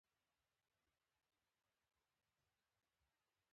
اوس پخوانی نه دی.